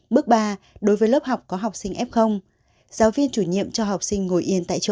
bước ba đối với lớp học có học sinh f giáo viên chủ nhiệm cho học sinh ngồi yên tại chỗ